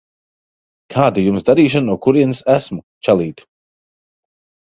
Kāda Jums darīšana no kurienes esmu, čalīt?